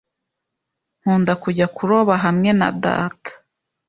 Nkunda kujya kuroba hamwe na data.